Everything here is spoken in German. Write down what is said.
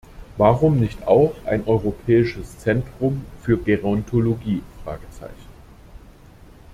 Warum nicht auch ein europäisches Zentrum für Gerontologie?